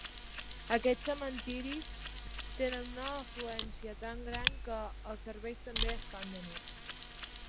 Aquests cementiris tenen una afluència tan gran que els serveis també es fan de nit.